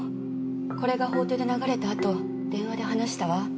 これが法廷で流れた後電話で話したわ。